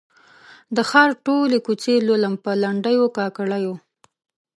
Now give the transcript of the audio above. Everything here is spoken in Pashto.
د ښار ټولي کوڅې لولم په لنډېو، کاکړیو